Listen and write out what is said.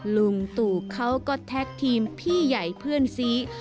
ลุงตู่เขาก็แท็กทีมพี่ใหญ่เพื่อนซี